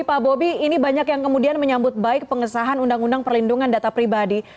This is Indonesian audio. pak bobi ini banyak yang kemudian menyambut baik pengesahan undang undang perlindungan data pribadi